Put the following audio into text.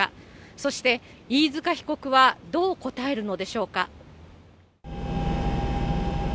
そして、飯塚被告はどう答えるのでしょうか。